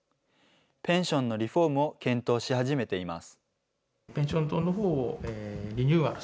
ペンションのリフォームを検討し始めています。